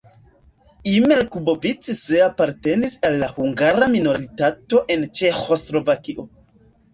Imre Kubovics apartenis al la hungara minoritato en Ĉeĥoslovakio.